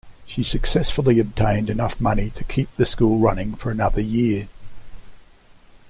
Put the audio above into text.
She successfully obtained enough money to keep the school running for another year.